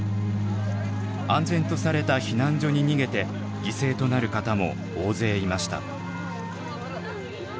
安全とされた避難所に逃げて犠牲となる方も大勢いました。